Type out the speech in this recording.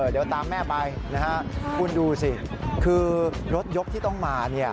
เดี๋ยวตามแม่ไปนะฮะคุณดูสิคือรถยกที่ต้องมา